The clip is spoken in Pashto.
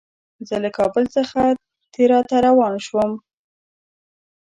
زه له کابل څخه تیراه ته روان شوم.